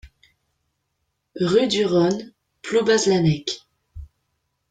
Rue du Rhun, Ploubazlanec